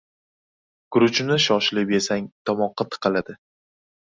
• Guruchni shoshilib yesang tomoqqa tiqiladi.